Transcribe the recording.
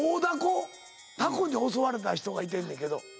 タコに襲われた人がいてんねんけど。